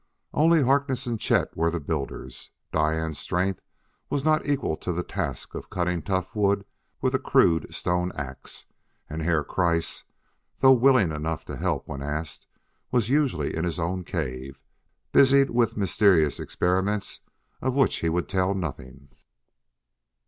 Only Harkness and Chet were the builders. Diane's strength was not equal to the task of cutting tough wood with a crude stone ax, and Herr Kreiss, though willing enough to help when asked, was usually in his own cave, busied with mysterious experiments of which he would tell nothing.